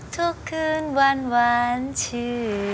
ทุกคืนวันหวานชื่อ